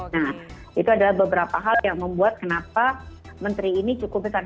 nah itu adalah beberapa hal yang membuat kenapa menteri ini cukup besar